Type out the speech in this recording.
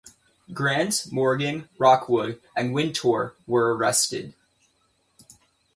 Grant, Morgan, Rookwood, and Wintour were arrested.